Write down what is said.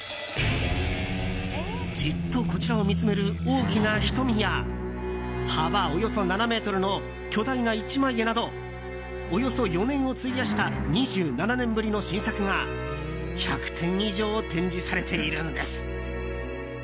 じっとこちらを見つめる大きな瞳や幅およそ７ｍの巨大な一枚絵などおよそ４年を費やした２７年ぶりの新作が１００点以上展示されているんです。